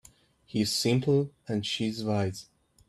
He's simple and she's wise.